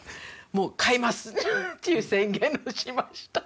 もう「買います！」っていう宣言をしました。